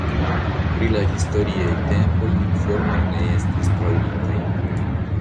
Pri la historiaj tempoj informoj ne estis trovataj.